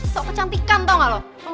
sok kecantikan tau nggak loh